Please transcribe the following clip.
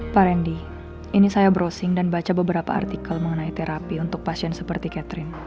pak randy ini saya browsing dan baca beberapa artikel mengenai terapi untuk pasien seperti catherine